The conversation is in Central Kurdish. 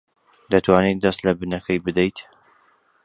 دەتوانیت دەست لە بنەکەی بدەیت؟